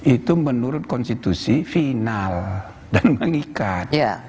itu menurut konstitusi final dan mengikat